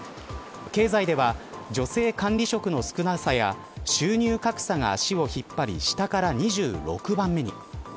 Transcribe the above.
経済では、女性管理職の少なさや収入格差が足を引っ張り下から２６番目に。